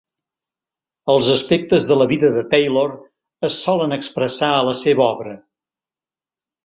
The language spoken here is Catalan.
Els aspectes de la vida de Taylor es solen expressar a la seva obra.